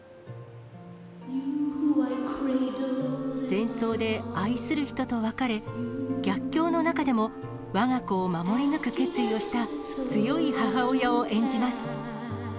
戦争で愛する人と別れ、逆境の中でも、わが子を守り抜く決意をした、強い母親を演じます。